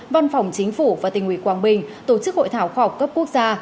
văn phòng chính phủ và tình huy quang bình tổ chức hội thảo khọc cấp quốc gia